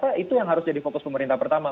saya itu yang harus jadi fokus pemerintah pertama